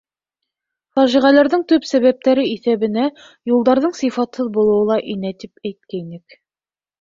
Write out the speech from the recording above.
Фажиғәләрҙең төп сәбәптәре иҫәбенә юлдарҙың сифатһыҙ булыуы ла инә, тип әйткәйнек.